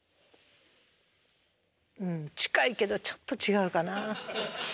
うん近いけどちょっと違うかな。